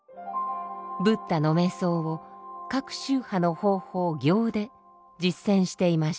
ブッダの瞑想を各宗派の方法行で実践していました。